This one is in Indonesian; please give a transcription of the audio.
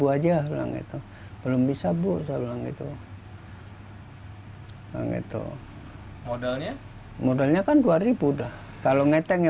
aja langit belum bisa bos orang itu hai banget tuh modalnya modalnya kan dua ribu dah kalau ngeteknya